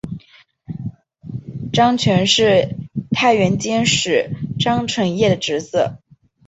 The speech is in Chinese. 张瓘是太原监军使张承业的侄子。